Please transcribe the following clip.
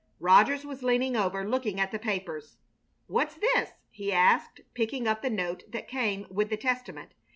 Rogers was leaning over, looking at the papers. "What's this?" he asked, picking up the note that came with the Testament.